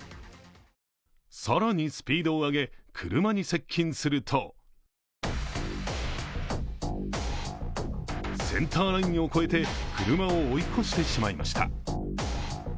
更にスピードを上げ、車に接近するとセンターラインを越えて車を追い越してしまいました。